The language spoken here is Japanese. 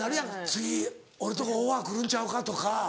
次俺んとこオファー来るんちゃうかとか。